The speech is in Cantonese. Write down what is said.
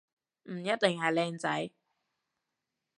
唔一定係靚仔